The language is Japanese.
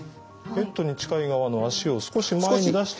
ベッドに近い側の足を少し前に出して内側。